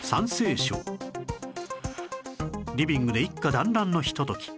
リビングで一家団欒のひと時